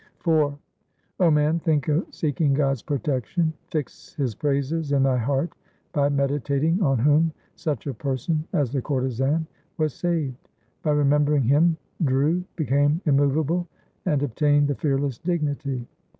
IV O man, think of seeking God's protection ; Fix His praises in thy heart, by meditating on whom such a person as the courtesan was saved ; By remembering Him Dhru became immovable, and ob tained the fearless dignity.